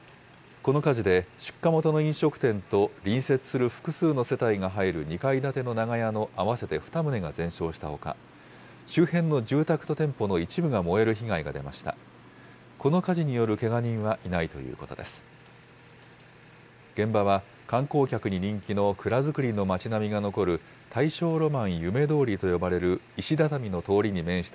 この火事で、出火元の飲食店と隣接する複数の世帯が入る２階建ての長屋の合わせて２棟が全焼したほか、周辺の住宅と店舗の一部が燃える被害が出ました。